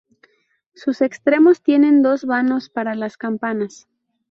Sus extremos tienen dos vanos para las campanas.